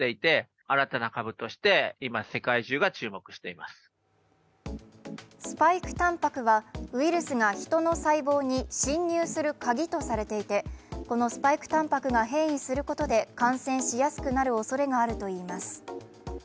その特徴はスパイクたんぱくはウイルスが人の細胞に侵入するカギとされていて、このスパイクたんぱくが変異することで感染しやすくなるおそれがあるといいます。